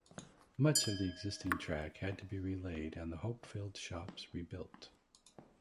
Much of the existing track had to be relaid and the Hopefield shops rebuilt.